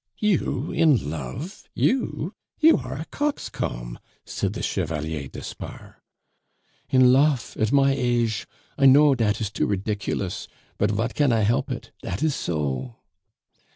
"You, in love, you? You are a coxcomb!" said the Chevalier d'Espard. "In lof, at my aje! I know dat is too ridiculous. But vat can I help it! Dat is so."